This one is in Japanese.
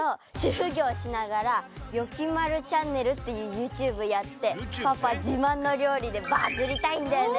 ふぎょうしながら「よきまるチャンネル」っていうユーチューブやってパパじまんのりょうりでバズりたいんだよね！